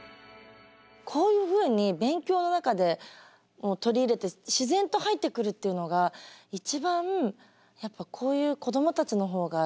こういうふうに勉強の中で取り入れて自然と入ってくるっていうのが一番やっぱこういう子どもたちのほうが知ってるかもしれないですね。